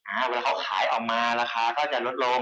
เวลาเขาขายออกมาราคาก็จะลดลง